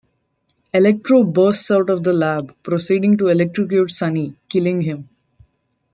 Electro bursts out of the lab, proceeding to electrocute Sonny, killing him.